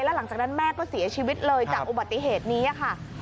แล้วหลังจากนั้นแม่ก็เสียชีวิตเลยจากอุบัติเหตุนี้ค่ะ